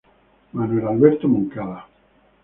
Manuel Alberto Moncada.